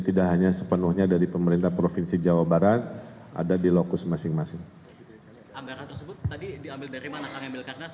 tidak hanya sepenuhnya dari pemerintah provinsi jawa barat ada di lokus masing masing anggaran